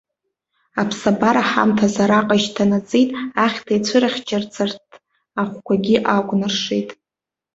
Аԥсабара ҳамҭас араҟа ишьҭанаҵеит, ахьҭа иацәырхьчарц арҭ ахәқәагьы акәнаршеит.